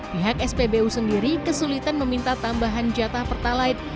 pihak spbu sendiri kesulitan meminta tambahan jatah pertalite